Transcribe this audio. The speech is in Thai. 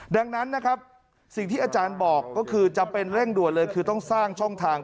ดังนั้นนะครับสิ่งที่อาจารย์บอกก็คือจำเป็นเร่งด่วนเลยคือต้องสร้างช่องทาง